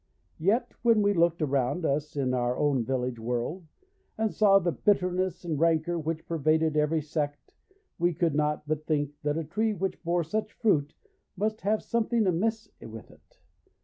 Yet when we looked around us in our own village world, and saw the bitterness and rancour which pervaded every sect, we could not but think that a tree which bore such fruit must have something amiss with it.